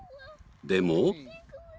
でも。